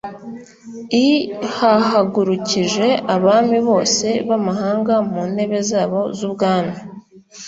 i Hahagurukije abami bose b amahanga ku ntebe zabo z ubwami